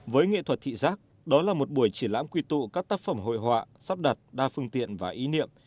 với nghệ thuật thị giác đó là một buổi triển lãm quy tụ các tác phẩm hội họa sắp đặt đa phương tiện và ý niệm